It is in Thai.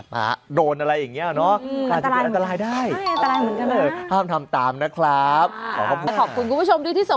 จอราเคอย่ามาแห่แคเออ